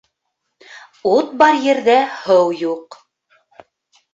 Ут бар ерҙә һыу юҡ.